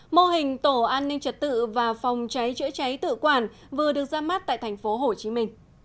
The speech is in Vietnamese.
mô hình tổ an ninh trật tự và phòng cháy chữa cháy tự quản vừa được ra mắt tại tp hcm